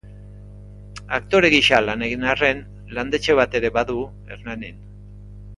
Aktore gisa lan egin arren landetxe bat ere badu, Hernanin.